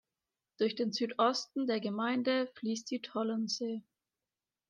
Durch den Südosten der Gemeinde fließt die Tollense.